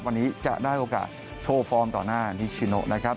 วันนี้จะได้โอกาสโทรฟอร์มต่อหน้านิชิโนนะครับ